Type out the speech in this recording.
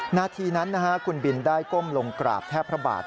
นาทีนั้นคุณบินได้ก้มลงกราบแทบพระบาท